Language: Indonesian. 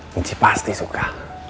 michi pasti suka